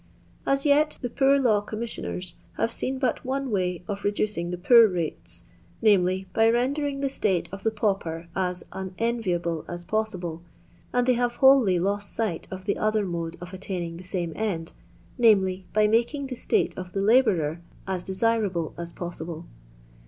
As yet the Poor*Law Commissioners have seen but one way of reducing the poor rates, viz., by ren dering the state of the pauper as waenviahU as possible, and they have wholly lost sight of the other mode of attaining the same end, vis., by making the state of the labourer as detirahU as possible.